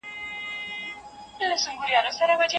د هندۍ ښځې د مزار تاریخي کیسه په زړو کتابونو کي راغلې ده